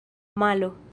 malo